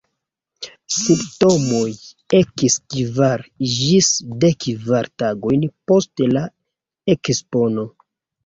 Simptomoj ekis kvar ĝis dekkvar tagojn post la ekspono.